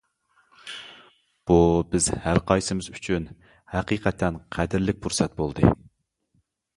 بۇ بىز ھەرقايسىمىز ئۈچۈن ھەقىقەتەن قەدىرلىك پۇرسەت بولدى.